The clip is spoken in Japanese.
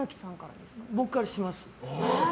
僕からします。